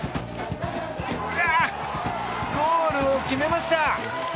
ゴールを決めました！